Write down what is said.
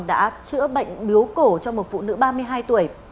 đã chữa bệnh biếu cổ cho một phụ nữ ba mươi hai tuổi